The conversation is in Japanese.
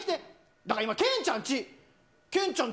だから今、けんちゃんち。